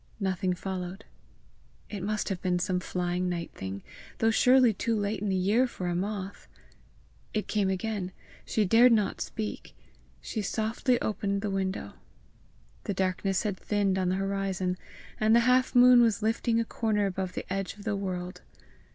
Nothing followed. It must have been some flying night thing, though surely too late in the year for a moth! It came again! She dared not speak. She softly opened the window. The darkness had thinned on the horizon, and the half moon was lifting a corner above the edge of the world.